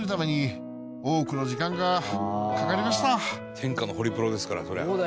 「天下のホリプロですからそりゃ」